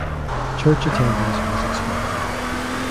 Church attendance was expected.